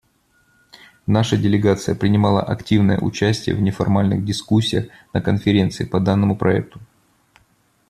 Наша делегация принимала активное участие в неформальных дискуссиях на Конференции по данному проекту.